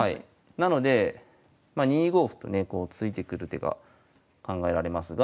なのでまあ２五歩とね突いてくる手が考えられますが。